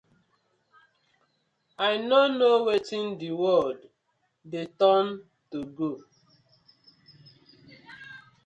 I no kno wetin di world dey turn to ooo.